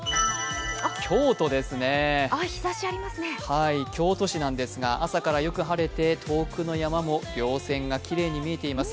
京都ですね、京都市なんですが朝からよく晴れて遠くの山も稜線がきれいに見えています。